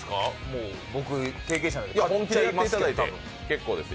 もう、僕、経験者で。